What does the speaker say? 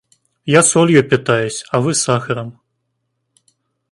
Я солью питаюсь, а вы сахаром.